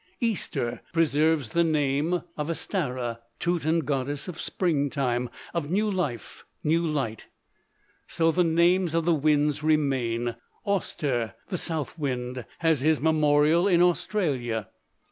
Easter preserves the name of Œstara, Teuton goddess of springtime, of new life, new light. So the names of the winds remain. Auster, the south wind, has his memorial in Australia.